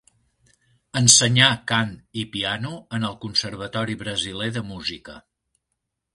Ensenyà cant i piano en el Conservatori Brasiler de Música.